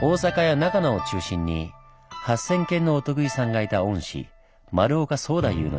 大阪や長野を中心に８０００軒のお得意さんがいた御師丸岡宗大夫の家。